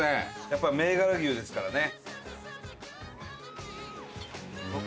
やっぱり銘柄牛ですからね。